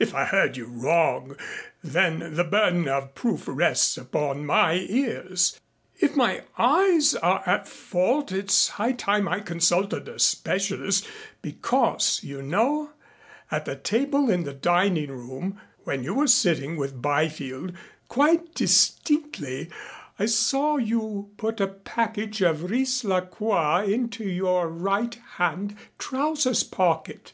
If I heard you wrong, then the burden of proof rests upon my ears if my eyes are at fault it's high time I consulted a specialist, because you know, at the table in the dining room when you were sitting with Byfield, quite distinctly I saw you put a package of Riz la Croix into your right hand trousers pocket.